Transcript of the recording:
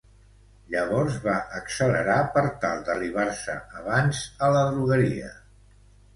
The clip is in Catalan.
Llavors va accelerar per tal d'arribar-se abans a la drogueria.